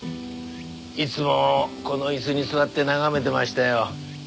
いつもこの椅子に座って眺めてましたよ。